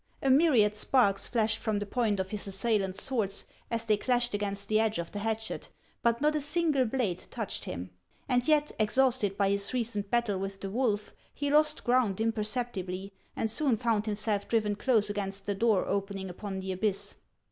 A myr iad sparks flashed from the point of his assailants' swords as they clashed against the edge of the hatchet ; but not a single blade touched him. And yet, exhausted by his recent battle with the wolf, he lost ground impercep tibly, and soon found himself driven close against the door opening upon the abyss.